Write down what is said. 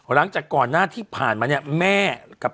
หลังจากก่อนหน้าที่ผ่านมา